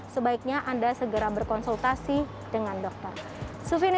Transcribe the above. sebaiknya anda segera berpengalaman